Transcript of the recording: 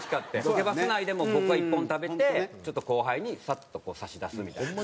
ロケバス内でも僕が１本食べてちょっと後輩にさっと差し出すみたいな。